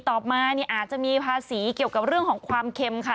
ต่อมาเนี่ยอาจจะมีภาษีเกี่ยวกับเรื่องของความเค็มค่ะ